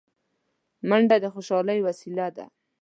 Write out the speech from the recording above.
منډه د خوشحالۍ وسیله ده